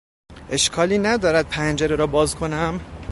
اشکالی ندارد پنجره را باز کنم؟